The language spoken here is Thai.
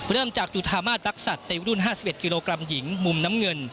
เริ่มจากจุธามาสรักษัตริย์ในรุ่น๕๑กิโลกรัมหญิงมุมน้ำเงิน